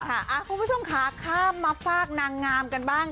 คุณผู้ชมค่ะข้ามมาฝากนางงามกันบ้าง